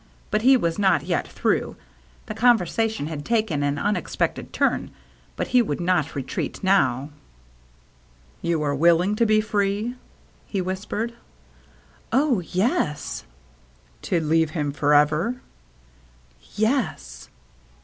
But he was not yet through. The conversation had taken an unexpected turn, but he would not retreat now. 1 62 THE MERRT ANNE " You are willing to be free ?" he whispered. "Oh — yes." " To leave him forever ?"" Yes."